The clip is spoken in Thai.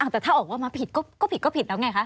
แต่ถ้าออกมาผิดก็ผิดแล้วไงคะ